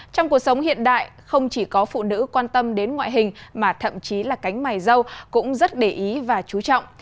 trong cuộc sống hiện đại không chỉ có phụ nữ quan tâm đến ngoại hình mà thậm chí là cánh mài dâu cũng rất để ý và chú trọng